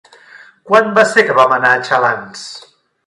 Quan va ser que vam anar a Xalans?